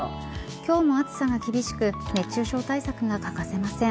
今日も暑さが厳しく熱中症対策が欠かせません。